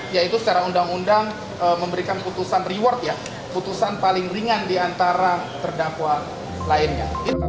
yaitu secara undang undang memberikan putusan reward ya putusan paling ringan diantara terdakwa lainnya